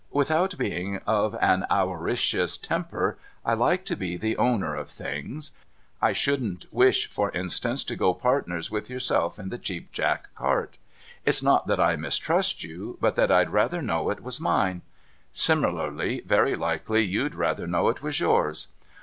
Without being of an awaricious temper, I like to be the owner of things. I shouldn't wish, for instance, to go partners with yourself in the Cheap Jack cart. It's not that I mistrust you, but that I'd rather know^ it was mine. Similarly, very likely you'd rather know it was yours.